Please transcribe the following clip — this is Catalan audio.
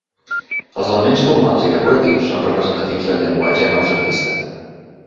Els elements formals i decoratius són representatius del llenguatge noucentista.